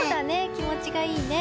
気持ちがいいね。